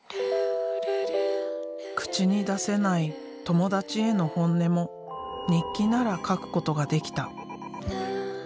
口に出せない友達への本音も日記なら書くことができた。